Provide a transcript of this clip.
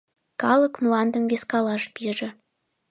Калык мландым вискалаш пиже.